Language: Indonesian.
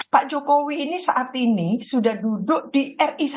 pak jokowi ini saat ini sudah duduk di ri satu